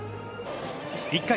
１回。